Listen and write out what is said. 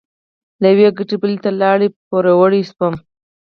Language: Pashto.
له یوې ګټې بلې ته لاړې؛ پوروړی شوم.